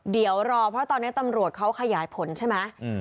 เดี๋ยวรอเพราะตอนนี้ตำรวจเขาขยายผลใช่ไหม